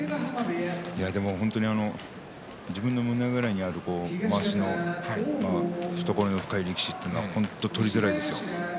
自分の胸ぐらいにあるまわし懐の深い力士は本当に取りづらいですよ。